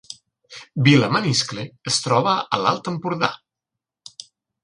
Vilamaniscle es troba a l’Alt Empordà